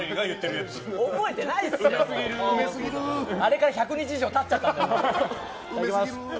あれから１００日以上経っちゃったんだよ！